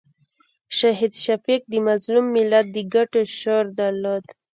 شهید شفیق د مظلوم ملت د ګټو شعور درلود.